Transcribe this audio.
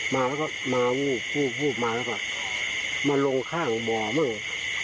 มาแล้วก็มาวูบวูบมาแล้วก็มาลงข้างบ่อบ้าง